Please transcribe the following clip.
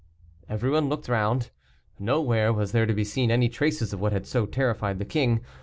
Everyone looked round; nowhere was there to be seen any traces of what had so terrified the king.